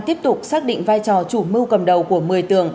tiếp tục xác định vai trò chủ mưu cầm đầu của một mươi tường